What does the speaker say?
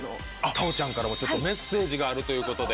太鳳ちゃんからもメッセージがあるということで。